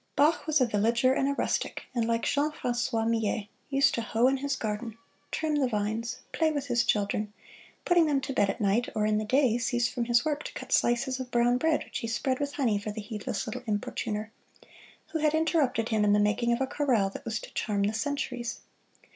Bach was a villager and a rustic, and, like Jean Francois Millet, used to hoe in his garden, trim the vines, play with his children, putting them to bed at night, or in the day cease from his work to cut slices of brown bread which he spread with honey for the heedless little importuner, who had interrupted him in the making of a chorale that was to charm the centuries.